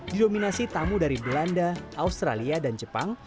didominasi tamu dari belanda australia dan jepang